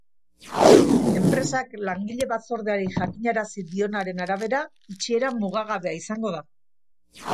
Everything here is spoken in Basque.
Enpresak langile batzordeari jakinarazi dionaren arabera, itxiera mugagabea izango da.